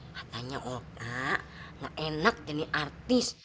katanya olga gak enak jadi artis